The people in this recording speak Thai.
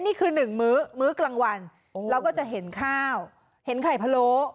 นี่คือหนึ่งมื้อมื้อกลางวันเราก็จะเห็นข้าวเห็นไข่พะโล้